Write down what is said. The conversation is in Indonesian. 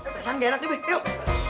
biasanya gak enak nih be yuk